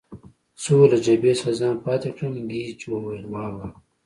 څو له جبهې څخه ځان پاتې کړم، ګېج وویل: وا وا.